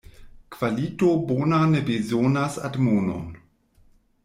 Kvalito bona ne bezonas admonon.